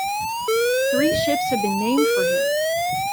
Three ships have been named for him.